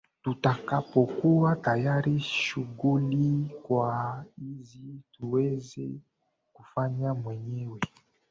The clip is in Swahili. Tutakapokuwa tayari shughuli kwa hizi tuweze kufanya wenyewe